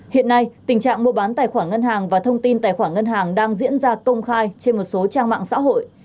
hiện nay tình trạng mua bán tài khoản ngân hàng và thông tin tài khoản ngân hàng đang diễn ra công khai trên một số trang mạng xã hội